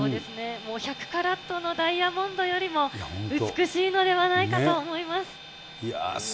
もう１００カラットのダイヤモンドよりも美しいのではないかと思います。